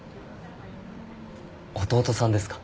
弟さんですか？